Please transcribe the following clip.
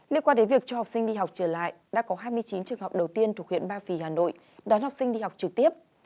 liên quan đến việc cho học sinh đi học trở lại đã có hai mươi chín trường học đầu tiên thuộc huyện ba vì hà nội đón học sinh đi học trực tiếp